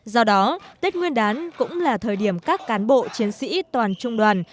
do đó tết nguyên đán cũng là thời điểm các cán bộ chiến sĩ toàn trung đoàn